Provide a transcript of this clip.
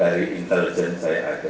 dari intelijen saya ada